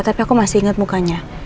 tapi aku masih ingat mukanya